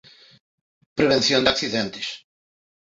Prevención de accidentes.